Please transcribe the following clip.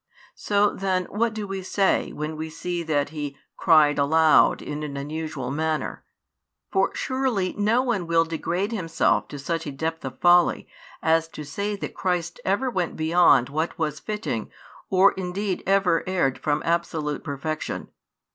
So then what do we say when we see that He cried aloud in an unusual manner? For surely no one will degrade himself to such a depth of folly as to say that Christ ever went beyond what was fitting or indeed ever erred from absolute perfection.